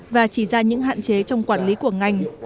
và chỉ ra những hạn chế trong quản lý của ngành